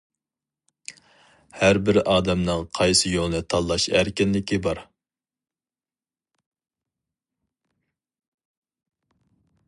ھەر بىر ئادەمنىڭ قايسى يولنى تاللاش ئەركىنلىكى بار.